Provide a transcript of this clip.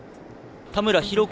田村浩子